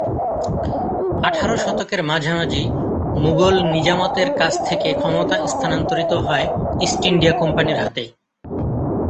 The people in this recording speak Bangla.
আঠারো শতকের মাঝামাঝি মুগল নিজামতের কাছ থেকে ক্ষমতা স্থানান্তরিত হয় ইস্ট ইন্ডিয়া কোম্পানির হাতে।